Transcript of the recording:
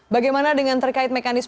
bagaimana dengan terkait mekanisme